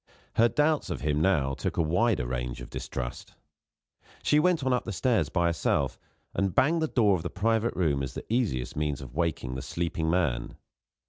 Her doubts of him, now, took a wider range of distrust. She went on up the stairs by herself, and banged the door of the private room as the easiest means of waking the sleeping man.